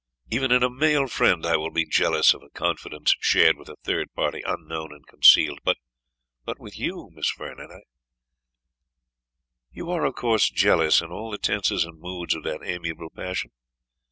Even in a male friend I will be jealous of a confidence shared with a third party unknown and concealed; but with you, Miss Vernon" "You are, of course, jealous, in all the tenses and moods of that amiable passion?